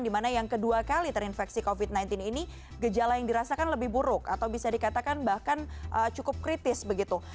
dimana yang kedua kali terinfeksi covid sembilan belas ini gejala yang dirasakan lebih buruk atau bisa dikatakan bahkan cukup kritis begitu